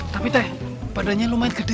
tapi teh badannya lumayan gede